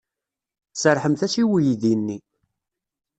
Serrḥemt-as i uydi-nni.